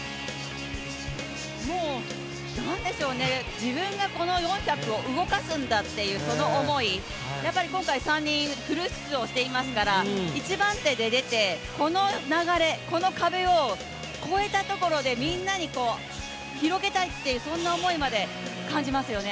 もうなんでしょうね、自分がこの４００を動かすんだというその思い、やっぱり今回３人、フル出動していますから一番手で出て、この流れこの壁を越えたところでみんなに広げたいというそんな思いまで感じますよね。